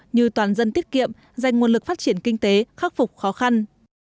như toàn dân tiết kiệm dành nguồn lực phát triển kinh tế khắc phục khó khăn